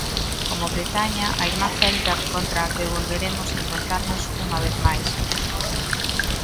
Como Bretaña, a irmá celta contra a que volveremos enfrontarnos unha vez máis.